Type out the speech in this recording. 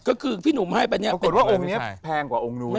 ก็คือพี่หนุ่มให้ไปเนี่ยแต่ว่าองค์นี้แพงกว่าองค์นู้น